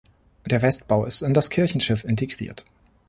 Der Westbau ist in das Kirchenschiff integriert.